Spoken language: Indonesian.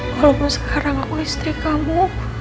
kalaupun sekarang aku istri kamu